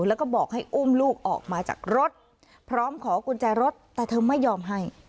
แล้วก็บอกให้อุ้มลูกออกมาจากรถพร้อมขอกุญแจรถแต่เธอไม่ยอมให้